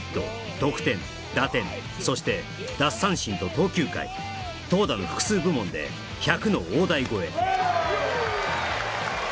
得点打点そして奪三振と投球回投打の複数部門で１００の大台超え